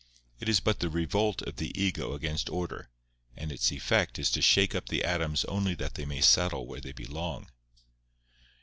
It is but the revolt of the Ego against Order; and its effect is to shake up the atoms only that they may settle where they belong.